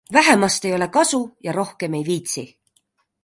Vähemast ei ole kasu ja rohkem ei viitsi.